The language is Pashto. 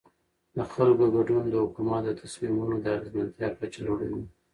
د خلکو ګډون د حکومت د تصمیمونو د اغیزمنتیا کچه لوړوي